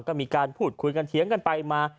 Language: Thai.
ก็มีการพูดคุยกันเถียงกันไปมา